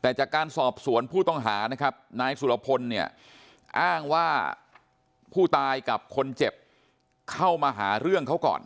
แต่จากการสอบสวนผู้ต้องหานะครับนายสุรพลเนี่ยอ้างว่าผู้ตายกับคนเจ็บเข้ามาหาเรื่องเขาก่อน